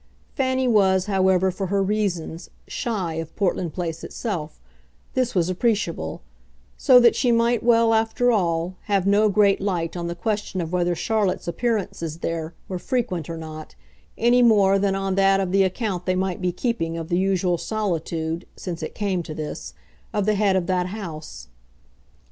Fanny was, however, for her reasons, "shy" of Portland Place itself this was appreciable; so that she might well, after all, have no great light on the question of whether Charlotte's appearances there were frequent or not, any more than on that of the account they might be keeping of the usual solitude (since it came to this) of the head of that house.